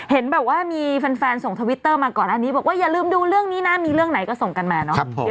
เห็นแบบว่ามีแฟนส่งทวิตเตอร์มาก่อนอันนี้บอกว่าอย่าลืมดูเรื่องนี้นะมีเรื่องไหนก็ส่งกันมาเนอะ